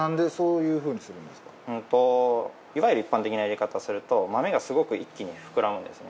いわゆる一般的なやり方すると豆がすごく一気に膨らむんですね。